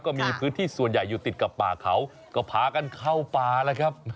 ก็มีพื้นที่ส่วนใหญ่อยู่ติดกับป่าเขาก็พากันเข้าป่าแล้วครับ